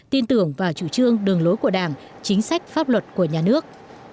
tin tưởng vào chủ trương đường lối của đảng chính sách pháp luật của nhà nước